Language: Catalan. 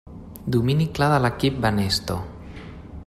Domini clar de l'equip Banesto.